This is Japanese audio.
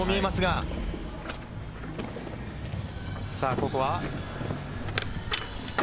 ここは。